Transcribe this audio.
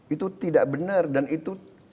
itu tidak benar dan itu